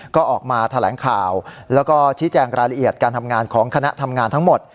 ก็ออกมาแถลงข่าวแล้วก็ชี้แจงรายละเอียดการทำงานของคณะทำงานทั้งหมด